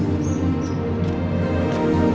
mak ibu sekarang orang ini